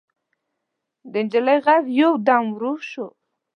د نجلۍ غږ يودم ورو شو.